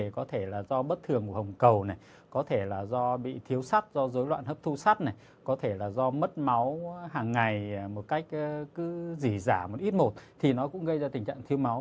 có thể là do mất máu hàng ngày một cách cứ dỉ dả một ít một thì nó cũng gây ra tình trạng thiếu máu